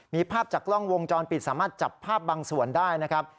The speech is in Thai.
มีภาพจากกล้องวงจรปิดสามารถจับภาพบางส่วนได้นะครับ